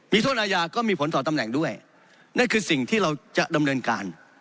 มีโทษอาญาก็มีผลต่อตำแหน่งด้วยนั่นคือสิ่งที่เราจะดำเนินการ